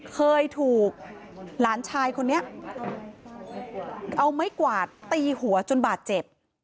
เคยถูกหลานชายคนนี้เอาไม้กวาดตีหัวจนบาดเจ็บ